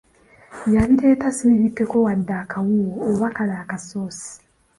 Yabireeta si bibikekko wadde akawuuwo oba kale akasoosi.